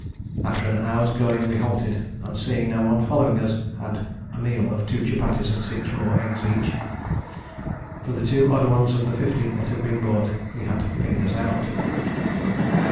After an hour's going we halted and, seeing no one following us, had a meal of two chupatties and six raw eggs each. For the two odd ones of the fifty that had been bought we had "fingers out."